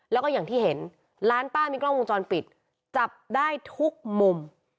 แล้วก็อย่างที่เห็นร้านป้ามีกล้องวงจรปิดจับได้ทุกมุม